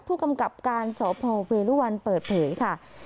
ผู้กำกับการสพเวรุวันเปิดเผยค่ะ